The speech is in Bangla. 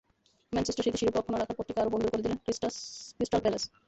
ম্যানচেস্টার সিটির শিরোপা অক্ষুণ্ন রাখার পথটিকে আরও বন্ধুর করে দিল ক্রিস্টাল প্যালেস।